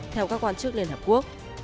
theo các quan chức liên hợp quốc